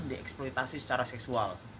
dieksploitasi secara seksual